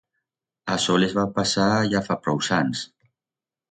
Asó les va pasar ya fa prous ans.